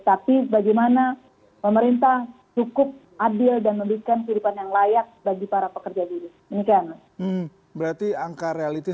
tetapi bagaimana pemerintah cukup adil dan menurunkan kehidupan yang layak bagi para pekerja buru